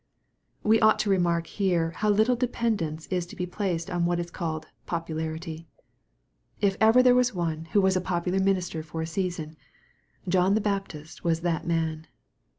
We ought to remark here how little dependence is to be placed on what is called " popularity." If ever there was one who was a popular minister for a season, John the Baptist was that man.